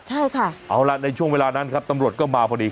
ใช่ค่ะเอาล่ะในช่วงเวลานั้นครับตำรวจก็มาพอดี